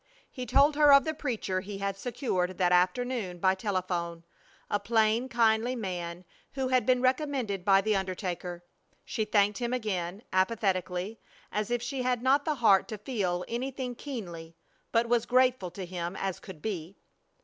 He told her of the preacher he had secured that afternoon by telephone a plain, kindly man who had been recommended by the undertaker. She thanked him again, apathetically, as if she had not the heart to feel anything keenly, but was grateful to him as could be.